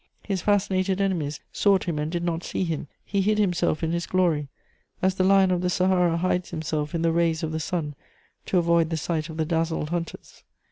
His fascinated enemies sought him and did not see him; he hid himself in his glory, as the lion of the Sahara hides himself in the rays of the sun to avoid the sight of the dazzled hunters.